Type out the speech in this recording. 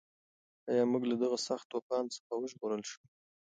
ایا موږ له دغه سخت طوفان څخه وژغورل شوو؟